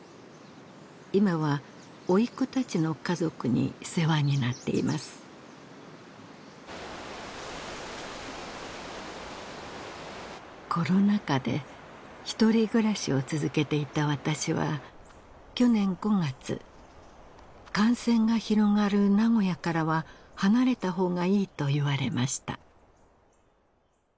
今は甥っ子たちの家族に世話になっていますコロナ禍でひとり暮らしを続けていた私は去年５月感染が広がる名古屋からは離れたほうがいいと言われました